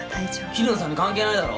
桐野さんに関係ないだろ！